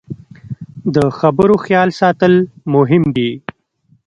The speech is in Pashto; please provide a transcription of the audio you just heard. د خبرو خیال ساتل مهم دي